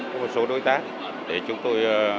một số đối tác để chúng tôi